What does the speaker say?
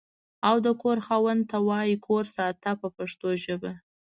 او د کور خاوند ته وایي کور ساته په پښتو ژبه.